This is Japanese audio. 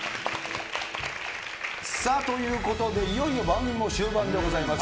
さあ、ということで、いよいよ番組も終盤でございます。